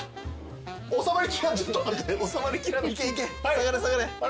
下がれ下がれ。